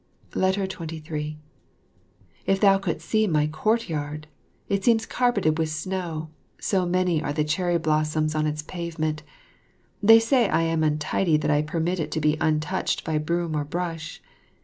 23 If thou couldst see my courtyard! It seems carpeted with snow, so many are the cherry blossoms on its pavement. They say I am untidy that I permit it to be untouched by broom or brush.